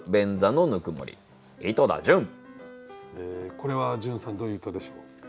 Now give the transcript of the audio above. これは潤さんどういう歌でしょう？